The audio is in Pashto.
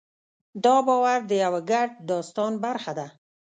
دا باور د یوه ګډ داستان برخه ده.